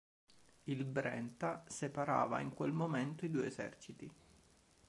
Il Brenta separava in quel momento i due eserciti.